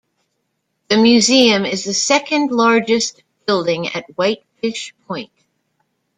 The museum is the second largest building at Whitefish Point.